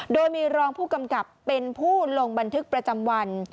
โดยมีรองผู้กำกับเป็นผู้ลงบันทึกประจำวัน